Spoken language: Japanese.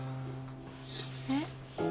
えっ？